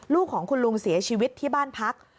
ลูกของคุณลุงเสียชีวิตที่บ้านพัก